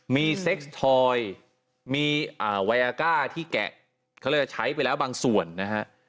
มีเซ็กส์ทอยมีวัยอาก้าที่แกะเขาเรียกใช้ไปแล้วบางส่วนนะฮะ